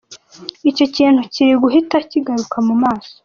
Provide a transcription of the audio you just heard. Icyo kintu kiriguhita kigaruka mu maso” .